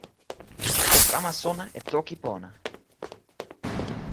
o kama sona e toki pona!